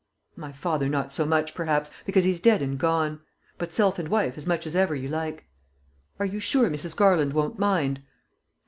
"My father not so much, perhaps, because he's dead and gone; but self and wife as much as ever you like." "Are you sure Mrs. Garland won't mind?"